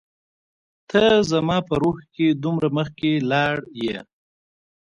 ته زما په روح کي دومره مخکي لاړ يي